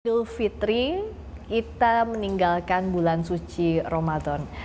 idul fitri kita meninggalkan bulan suci ramadan